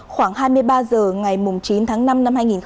khoảng hai mươi ba h ngày chín tháng năm năm hai nghìn hai mươi ba